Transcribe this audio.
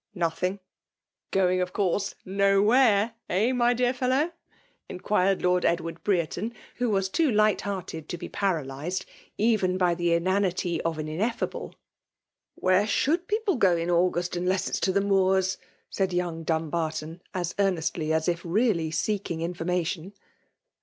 Nothing r Going, of course, no where, eh ?— my deai' fellow r* inquired Lord Edward Brereton, who was too light hearted to be paralysed, even by the inanity of an Ineifable. " Where should people go in August, unless to the Moors?'' said young Dumbarton, as earnestly as if really seeking information.